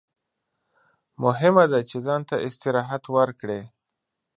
مهمه ده چې ځان ته استراحت ورکړئ.